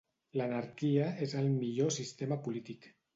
L'anarquia és el millor sistema polític.